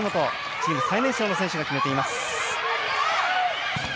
チーム最年少の選手が決めています。